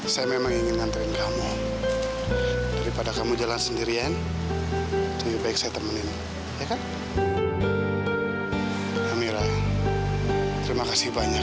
sampai jumpa di video selanjutnya